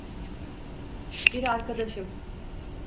Bir arkadaşım.